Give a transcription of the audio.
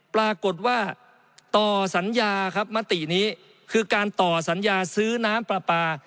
ปรากฏว่าต่อสัญญาครับมตินี้คือการต่อสัญญาซื้อน้ำปลาปลา